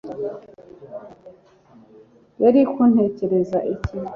yari kuntekereza iki